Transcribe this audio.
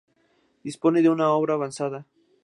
Dispone de una obra avanzada.